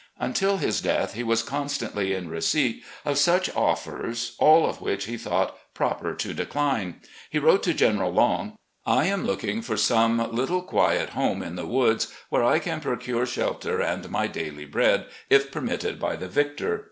Until his death, he was constantly in receipt of such offers, all of which he thought proper to decline. He wrote to General Long: " I am looking for some little, quiet home in the woods, where I can procure shelter and my daily bread, if per mitted by the victor.